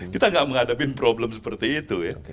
kita nggak menghadapi problem seperti itu ya